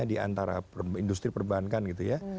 di antara industri perbankan gitu ya